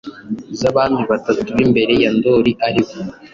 zAbami batatu b’imbere ya Ndoli, ari bo :